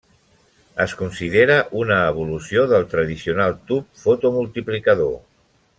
Es considera una evolució del tradicional tub fotomultiplicador.